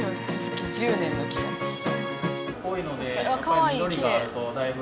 かわいいきれい。